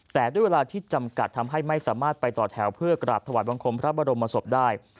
แต่ด้วยเวลาที่จำกัดทำให้ไม่สามารถไปต่อแถวเพื่อกราบถวายบังคมพระบรมศพได้